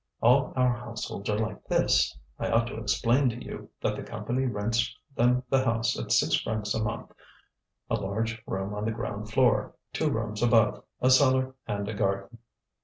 All our households are like this. I ought to explain to you that the Company rents them the house at six francs a month. A large room on the ground floor, two rooms above, a cellar, and a garden."